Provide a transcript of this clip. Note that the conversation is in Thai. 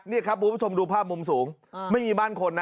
นี่ครับคุณผู้ชมดูภาพมุมสูงไม่มีบ้านคนนะ